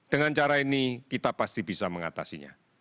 dengan cara ini kita pasti bisa mengatasinya